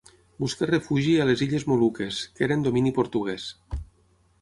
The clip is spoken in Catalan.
Buscar refugi a les illes Moluques, que eren domini portuguès.